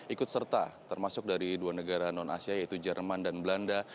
ikut serta termasuk dari dua negara non asia yaitu jerman dan belanda